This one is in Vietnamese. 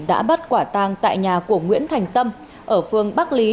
đã bắt quả tang tại nhà của nguyễn thành tâm ở phương bắc lý